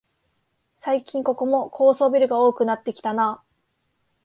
最近ここも高層ビルが多くなってきたなあ